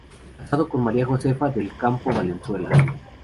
Casado con María Josefa del Campo Valenzuela.